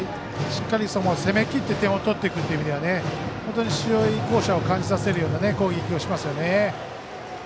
しっかり攻めきって点を取っていくという意味では試合巧者を感じさせる攻撃をしますね。